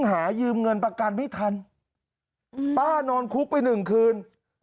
หายืมเงินประกันไม่ทันป้านอนคุกไปหนึ่งคืน